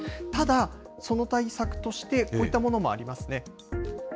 ただ、その対策として、こういったものもありますね。